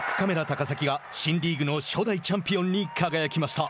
高崎が新リーグの初代チャンピオンに輝きました。